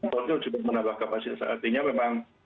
tolnya juga menambah kapasitas artinya memang